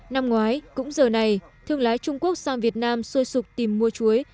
năm ngoái cũng giờ này thương lái trung quốc sang việt nam xuôi sụp tìm mua chuối